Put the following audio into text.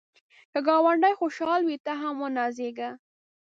که ګاونډی خوشحال وي، ته هم ونازېږه